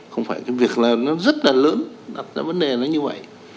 không phải cái việc là nó rất là lớn đặt ra vấn đề nó như vậy